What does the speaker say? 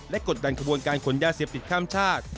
กดดันขบวนการขนยาเสพติดข้ามชาติ